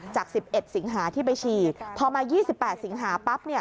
จาก๑๑สิงหาที่ไปฉีดพอมา๒๘สิงหาปั๊บ